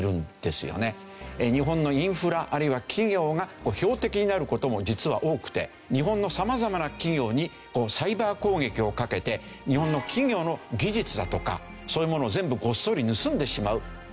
日本のインフラあるいは企業が標的になる事も実は多くて日本の様々な企業にサイバー攻撃をかけて日本の企業の技術だとかそういうものを全部ごっそり盗んでしまうと。